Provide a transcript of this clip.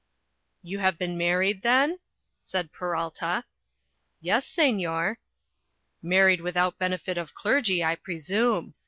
"You have been married, then?" said Peralta. "Yes, Señor." "Married without benefit of clergy, I presume.